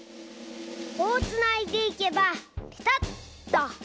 こうつないでいけばピタッと！